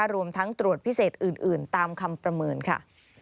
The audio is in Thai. รวมทั้งตรวจพิเศษอื่นตามคำประเมินค่ะ